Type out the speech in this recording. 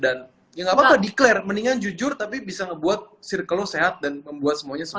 dan ya gak apa apa declare mendingan jujur tapi bisa ngebuat sirklo sehat dan membuat semuanya sembuh